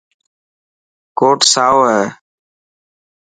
ڪوٽ سائو هي.